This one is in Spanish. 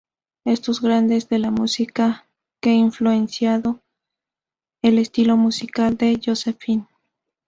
Estos grandes de la música, ha influenciado el estilo musical de Josephine.